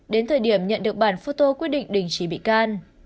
đến thời điểm nhận được bản phô tô quyết định đình trí bị can